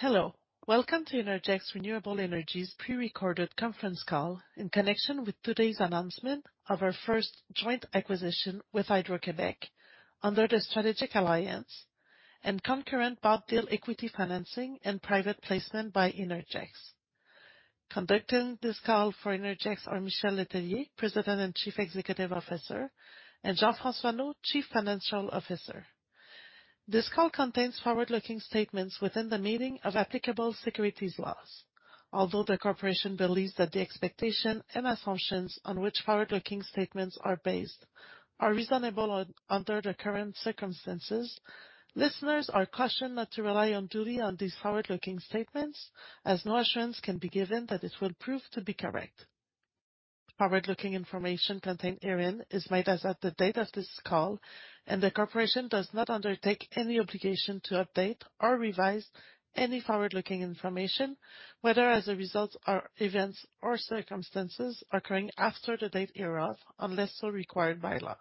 Hello. Welcome to Innergex Renewable Energy's pre-recorded conference call in connection with today's announcement of our first joint acquisition with Hydro-Québec under the strategic alliance, and concurrent bought deal equity financing and private placement by Innergex. Conducting this call for Innergex are Michel Letellier, President and Chief Executive Officer, and Jean-François Neault, Chief Financial Officer. This call contains forward-looking statements within the meaning of applicable securities laws. Although the corporation believes that the expectation and assumptions on which forward-looking statements are based are reasonable under the current circumstances, listeners are cautioned not to rely unduly on these forward-looking statements, as no assurance can be given that it will prove to be correct. Forward-looking information contained herein is made as of the date of this call, and the corporation does not undertake any obligation to update or revise any forward-looking information, whether as a result of events or circumstances occurring after the date hereof, unless so required by law.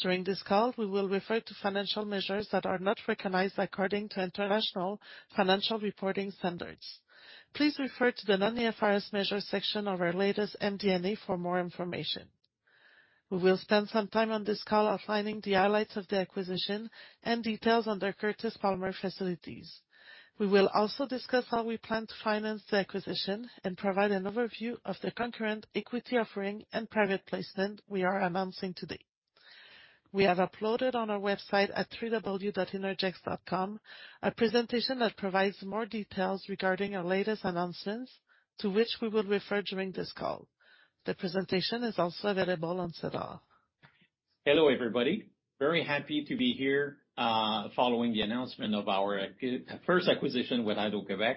During this call, we will refer to financial measures that are not recognized according to International Financial Reporting Standards. Please refer to the non-IFRS measures section of our latest MD&A for more information. We will spend some time on this call outlining the highlights of the acquisition and details on the Curtis Palmer facilities. We will also discuss how we plan to finance the acquisition and provide an overview of the concurrent equity offering and private placement we are announcing today. We have uploaded on our website at www.innergex.com a presentation that provides more details regarding our latest announcements, to which we will refer during this call. The presentation is also available on SEDAR. Hello, everybody. Very happy to be here following the announcement of our first acquisition with Hydro-Québec.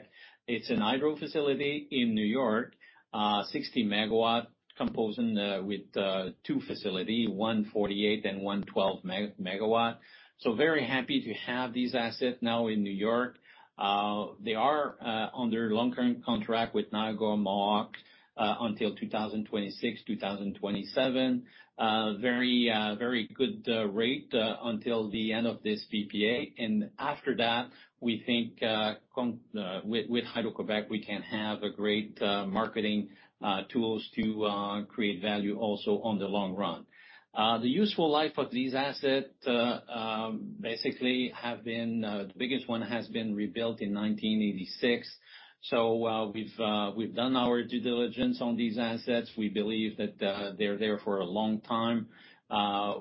It's a hydro facility in N.Y., 60 MW composing with two facility, one 48 and one 12 MW. Very happy to have this asset now in N.Y. They are under long-term contract with Niagara Mohawk, until 2026, 2027. Very good rate until the end of this PPA. After that, we think, with Hydro-Québec, we can have great marketing tools to create value also on the long run. The useful life of these asset, the biggest one has been rebuilt in 1986. We've done our due diligence on these assets. We believe that they're there for a long time.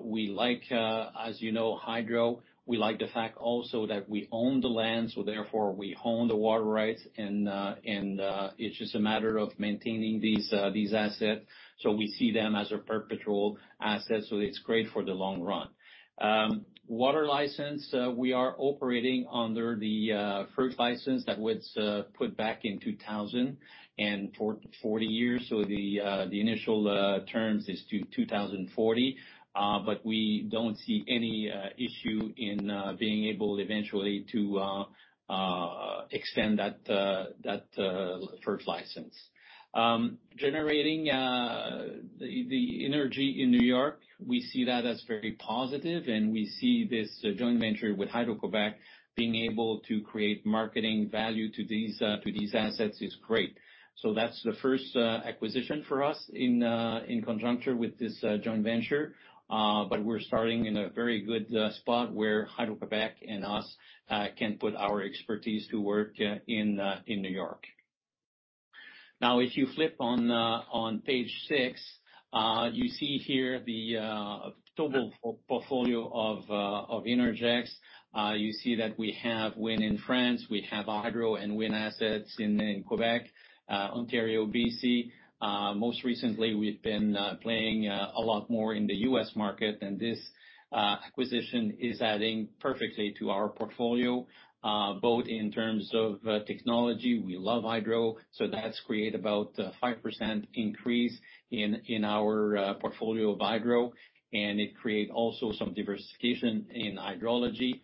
We like, as you know, hydro. We like the fact also that we own the land, so therefore we own the water rights. It's just a matter of maintaining these assets. We see them as a perpetual asset, so it's great for the long run. Water license, we are operating under the first license that was put back in 2000 and for 40 years. The initial terms is to 2040. We don't see any issue in being able eventually to extend that first license. Generating the energy in New York, we see that as very positive, and we see this joint venture with Hydro-Québec being able to create marketing value to these assets is great. That's the first acquisition for us in conjuncture with this joint venture. We're starting in a very good spot where Hydro-Québec and us can put our expertise to work in New York. Now, if you flip on page 6, you see here the total portfolio of Innergex. You see that we have wind in France. We have hydro and wind assets in Québec, Ontario, B.C. Most recently, we've been playing a lot more in the U.S. market. This acquisition is adding perfectly to our portfolio, both in terms of technology. We love hydro, so that's created about 5% increase in our portfolio of hydro, and it create also some diversification in hydrology.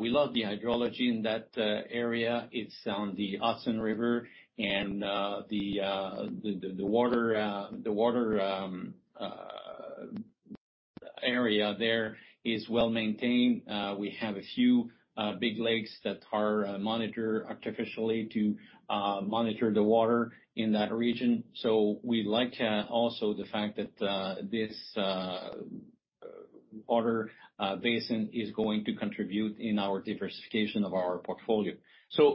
We love the hydrology in that area. It's on the Hudson River and the water area there is well maintained. We have a few big lakes that are monitored artificially to monitor the water in that region. We like also the fact that this water basin is going to contribute in our diversification of our portfolio.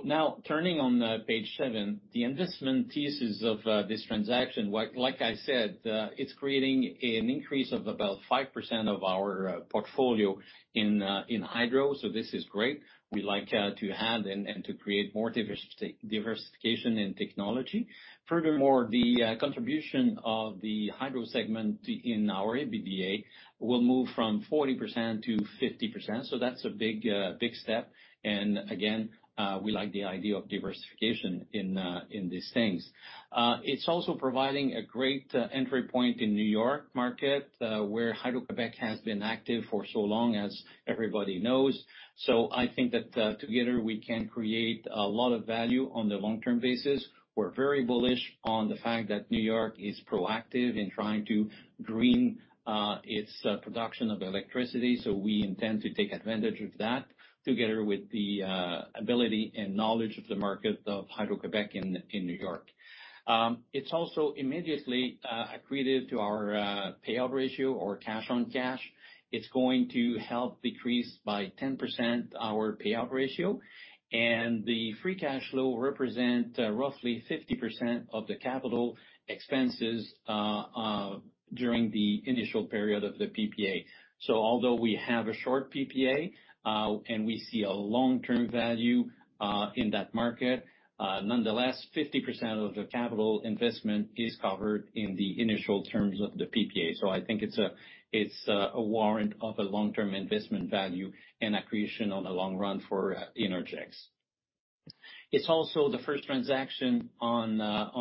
Now turning on page seven, the investment thesis of this transaction. Like I said, it's creating an increase of about 5% of our portfolio in hydro. This is great. We like to add and to create more diversification in technology. Furthermore, the contribution of the hydro segment in our EBITDA will move from 40% to 50%. That's a big step. Again, we like the idea of diversification in these things. It's also providing a great entry point in New York, where Hydro-Québec has been active for so long, as everybody knows. I think that together we can create a lot of value on the long term basis. We're very bullish on the fact that New York is proactive in trying to green its production of electricity. We intend to take advantage of that together with the ability and knowledge of the market of Hydro-Québec in New York. It's also immediately accretive to our payout ratio or cash on cash. It's going to help decrease by 10% our payout ratio. The free cash flow represent roughly 50% of the capital expenses during the initial period of the PPA. Although we have a short PPA and we see a long-term value in that market, nonetheless 50% of the capital investment is covered in the initial terms of the PPA. I think it's a warrant of a long-term investment value and accretion on the long run for Innergex. It's also the first transaction on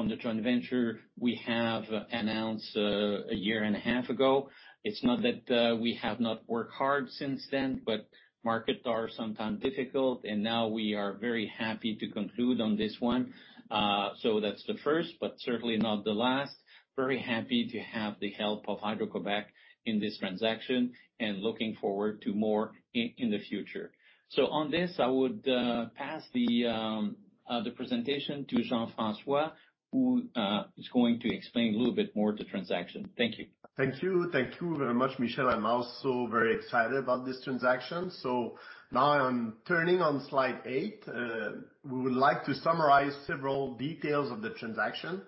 the joint venture we have announced a year and a half ago. It's not that we have not worked hard since then, markets are sometimes difficult. Now we are very happy to conclude on this one. That's the first, but certainly not the last. Very happy to have the help of Hydro-Québec in this transaction, and looking forward to more in the future. On this, I would pass the presentation to Jean-François, who is going to explain a little bit more the transaction. Thank you. Thank you. Thank you very much, Michel. I'm also very excited about this transaction. Now I'm turning on slide 8. We would like to summarize several details of the transaction.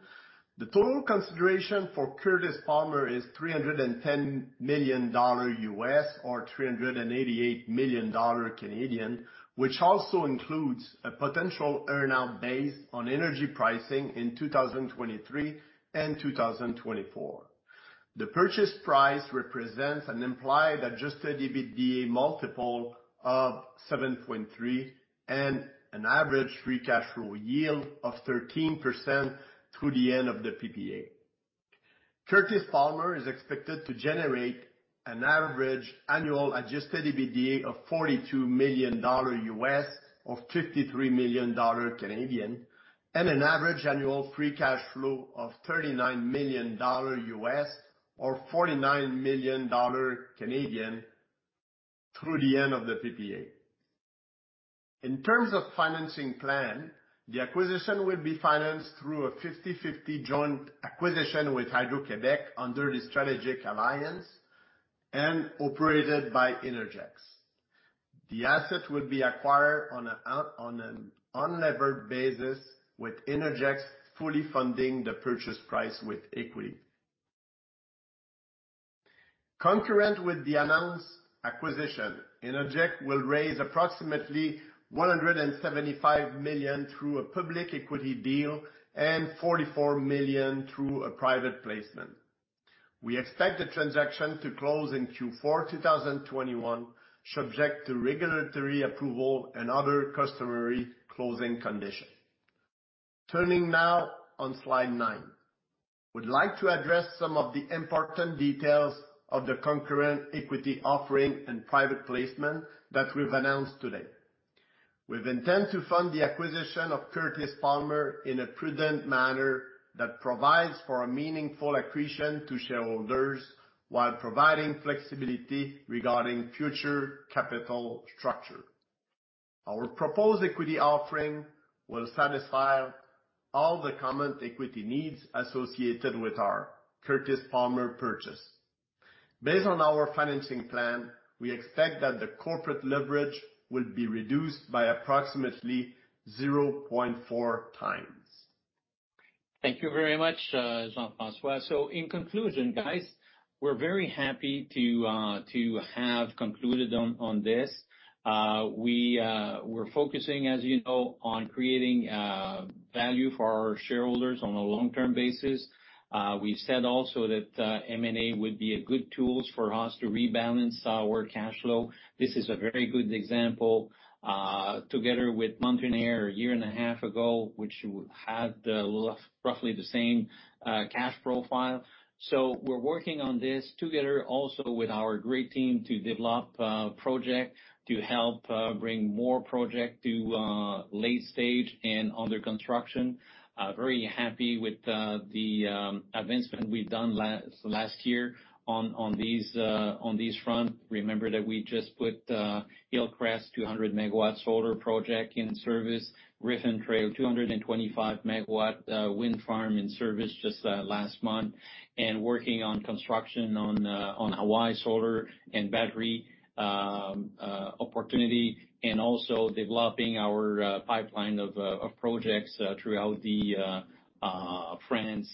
The total consideration for Curtis Palmer is $310 million U.S. or $388 million Canadian, which also includes a potential earn-out based on energy pricing in 2023 and 2024. The purchase price represents an implied adjusted EBITDA multiple of 7.3 and an average free cash flow yield of 13% through the end of the PPA. Curtis Palmer is expected to generate an average annual adjusted EBITDA of $42 million U.S. or $53 million Canadian, and an average annual free cash flow of $39 million U.S. or $49 million Canadian through the end of the PPA. In terms of financing plan, the acquisition will be financed through a 50/50 joint acquisition with Hydro-Québec under the strategic alliance and operated by Innergex. The asset will be acquired on an unlevered basis, with Innergex fully funding the purchase price with equity. Concurrent with the announced acquisition, Innergex will raise approximately 175 million through a public equity deal and 44 million through a private placement. We expect the transaction to close in Q4 2021, subject to regulatory approval and other customary closing conditions. Turning now on slide 9. We would like to address some of the important details of the concurrent equity offering and private placement that we've announced today. We intend to fund the acquisition of Curtis Palmer in a prudent manner that provides for a meaningful accretion to shareholders while providing flexibility regarding future capital structure. Our proposed equity offering will satisfy all the common equity needs associated with our Curtis Palmer purchase. Based on our financing plan, we expect that the corporate leverage will be reduced by approximately 0.4 times. Thank you very much, Jean-François. In conclusion, guys, we're very happy to have concluded on this. We're focusing, as you know, on creating value for our shareholders on a long-term basis. We've said also that M&A would be a good tools for us to rebalance our cash flow. This is a very good example, together with Mountain Air a year and a half ago, which had roughly the same cash profile. We're working on this together also with our great team to develop project, to help bring more project to late stage and under construction. Very happy with the advancement we've done last year on this front. Remember that we just put Hillcrest 200 MW solar project in service, Griffin Trail 225 MW wind farm in service just last month, and working on construction on Hawaii Solar and Battery opportunity, and also developing our pipeline of projects throughout France,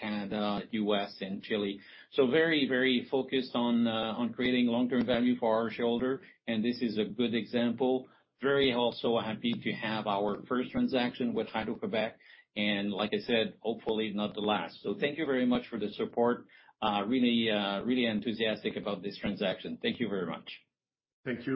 Canada, U.S., and Chile. Very focused on creating long-term value for our shareholder, and this is a good example. Very also happy to have our first transaction with Hydro-Québec and like I said, hopefully not the last. Thank you very much for the support. Really enthusiastic about this transaction. Thank you very much. Thank you.